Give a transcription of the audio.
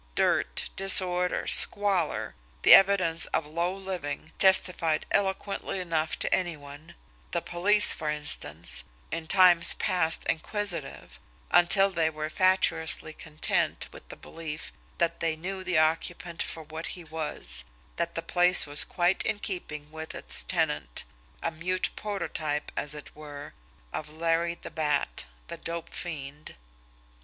Dirt, disorder, squalour, the evidence of low living testified eloquently enough to any one, the police, for instance, in times past inquisitive until they were fatuously content with the belief that they knew the occupant for what he was, that the place was quite in keeping with its tenant, a mute prototype, as it were, of Larry the Bat, the dope fiend.